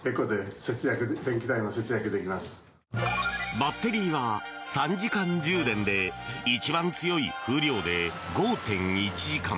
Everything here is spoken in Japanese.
バッテリーは３時間充電で一番強い風量で５．１時間。